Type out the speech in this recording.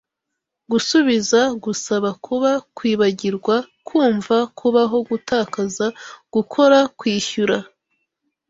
gusubiza gusaba kuba kwibagirwa kumva kubaho gutakaza gukora kwishyura